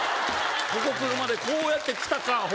ここ来るまでこうやって来たかアホ